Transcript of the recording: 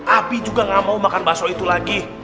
abi juga nggak mau makan baso itu lagi